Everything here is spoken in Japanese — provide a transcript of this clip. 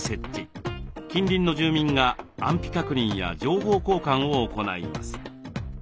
近隣の住民が安否確認や情報交換を行います。